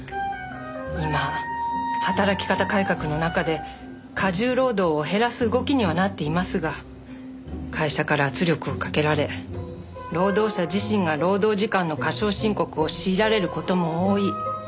今働き方改革の中で過重労働を減らす動きにはなっていますが会社から圧力をかけられ労働者自身が労働時間の過少申告を強いられる事も多い。